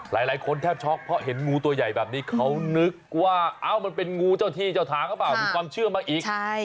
หลายคนแทบช็อกเพราะเห็นงูตัวใหญ่แบบนี้เขานึกว่ามันเป็นงูเจ้าที่เจ้าทางหรือเปล่ามีความเชื่อมาอีก